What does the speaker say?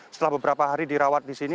setelah beberapa hari dirawat di sini